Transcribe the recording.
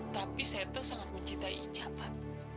tapi seto sangat mencinta ica pak